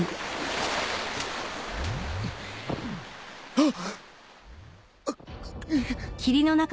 あっ！